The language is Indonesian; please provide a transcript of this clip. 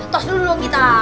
tos dulu dong kita